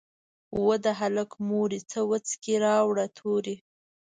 "وه د هلک مورې ته وڅکي راوړه توري".